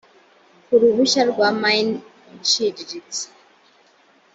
ku ruhushya rwa mine iciriritse